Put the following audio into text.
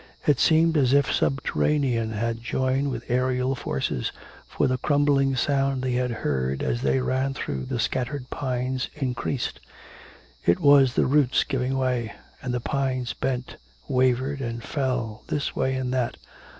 It seemed as if subterranean had joined with aerial forces, for the crumbling sound they had heard as they ran through the scattered pines increased; it was the roots giving way; and the pines bent, wavered, and fell this way and that.